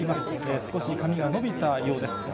少し髪が伸びたようです。